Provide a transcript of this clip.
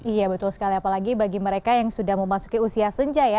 iya betul sekali apalagi bagi mereka yang sudah memasuki usia senja ya